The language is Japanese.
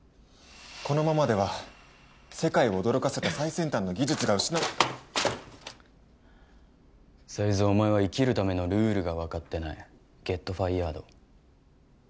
このままでは世界を驚かせた最先端の技術が失才津お前は生きるためのルールが分かってないゲットファイヤード